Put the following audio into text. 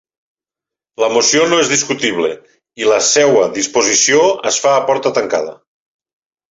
La moció no és discutible i la seva disposició es fa a porta tancada.